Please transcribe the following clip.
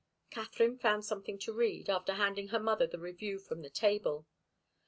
Katharine found something to read, after handing her mother the review from the table.